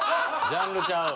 ジャンルちゃう。